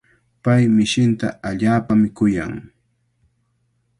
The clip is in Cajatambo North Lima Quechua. Pay mishinta allaapami kuyan.